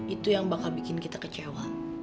itu yang bakal bikin kita kecewa